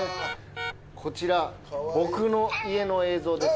こちら僕の家の映像です。